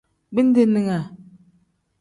Bindeninga.